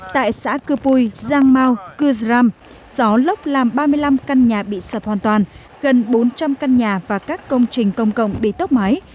tại xã cư pui giang mau cư dram gió lốc làm ba mươi năm căn nhà bị sập hoàn toàn gần bốn trăm linh căn nhà và các công trình công cộng bị tốc mái